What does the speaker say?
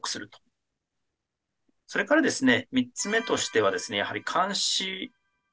それからですね